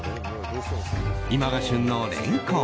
今が旬のレンコン